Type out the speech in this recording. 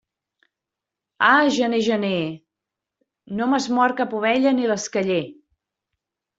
Ah, gener, gener, no m'has mort cap ovella ni l'esqueller.